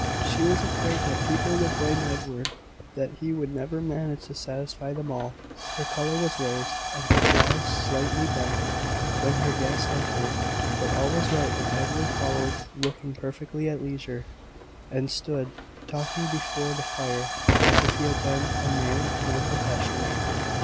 She was afraid that people would blame Edward that he would never manage to satisfy them all. Her colour was raised, and her brow slightly bent, when her guests entered; but all was right when Edward followed, looking perfectly at leisure, and stood talking before the fire, as if he had been a man of no profession.